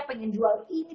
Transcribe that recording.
pengen jual mobilnya